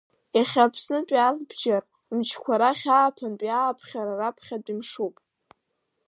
Иахьа Аԥсны Арбџьар мчқәа рахь ааԥынтәи ааԥхьара раԥхьатәи мшуп.